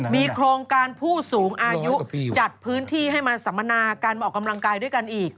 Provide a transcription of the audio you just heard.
มีโครงการผู้สูงอายุจัดพื้นที่ให้มาสัมมนาการออกกำลังกายด้วยกันอีก